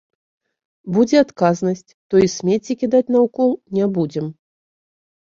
Будзе адказнасць, то і смецце кідаць наўкол не будзем.